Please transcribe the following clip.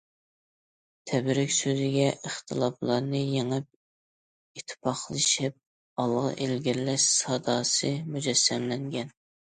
تەبرىك سۆزىگە ئىختىلاپلارنى يېڭىپ، ئىتتىپاقلىشىپ ئالغا ئىلگىرىلەش ساداسى مۇجەسسەملەنگەن.